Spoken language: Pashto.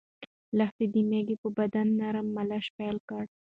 لښتې د مېږې په بدن نرمه مالش پیل کړ.